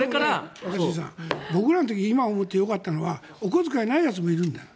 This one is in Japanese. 若新さん、僕らの時よかったのはお小遣いないやつもいるんだよ。